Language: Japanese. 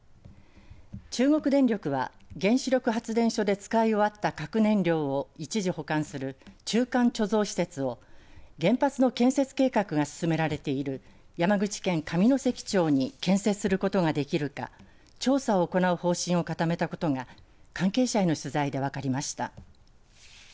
中国電力は原子力発電所で使い終わった核燃料を一時保管する中間貯蔵施設を原発の建設計画が進められている山口県上関町に建設することができるか調査を行う方針を固めたことが関係者への取材で分かりました。